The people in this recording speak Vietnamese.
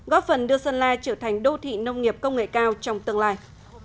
góp phần đưa sơn la trở thành đô thị nông nghiệp công nghệ cao trong tương lai